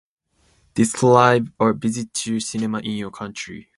...this live, or visit your cinema in your country.